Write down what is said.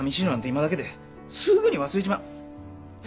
今だけですぐに忘れちまう。